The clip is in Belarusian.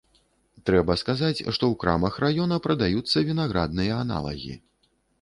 Трэба сказаць, што у крамах раёна прадаюцца вінаградныя аналагі.